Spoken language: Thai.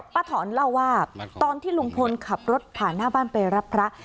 ถอนเล่าว่าตอนที่ลุงพลขับรถผ่านหน้าบ้านไปรับพระ